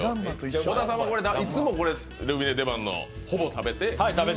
小田さんはいつもルミネ出番でほぼ食べて。